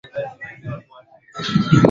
Walimu wamewasili.